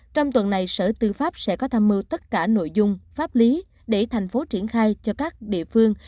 trong tuần này sở tư pháp sẽ có tham mưu tất cả nội dung pháp lý để thành phố triển khai cho các địa phương